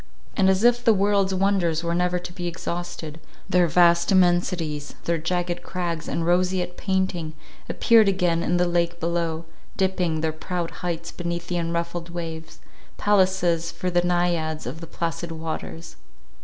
And, as if the world's wonders were never to be exhausted, their vast immensities, their jagged crags, and roseate painting, appeared again in the lake below, dipping their proud heights beneath the unruffled waves—palaces for the Naiads of the placid waters.